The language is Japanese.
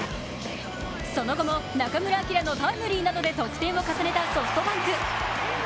その後も中村晃のタイムリーなどで得点を重ねたソフトバンク。